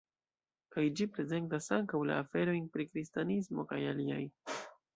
Kaj ĝi prezentas ankaŭ la aferojn pri kristanismo kaj aliaj.